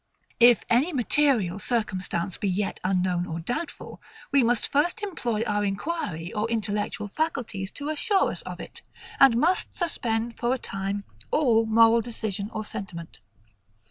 If any material circumstance be yet unknown or doubtful, we must first employ our inquiry or intellectual faculties to assure us of it; and must suspend for a time all moral decision or sentiment.